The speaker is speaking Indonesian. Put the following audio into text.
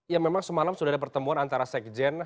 ya memang semalam sudah ada pertemuan antara sekjen